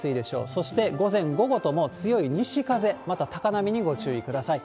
そして、午前、午後とも強い西風、また高波にご注意ください。